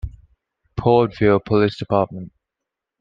Port Vue Police Dept.